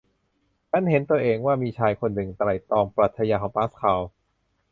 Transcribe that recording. ฉันเห็นตัวเองว่ามีชายคนหนึ่งไตร่ตรองปรัชญาของปาสคาล